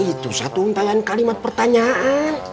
itu satu untalan kalimat pertanyaan